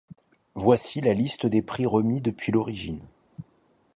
Voici la liste des prix remis depuis l'origine.